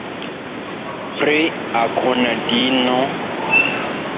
Pri Akundino?